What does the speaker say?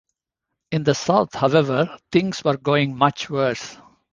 In the south, however, things were going much worse.